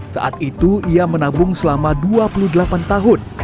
saat itu ia menabung selama dua puluh delapan tahun